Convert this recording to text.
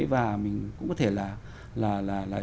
và mình cũng có thể là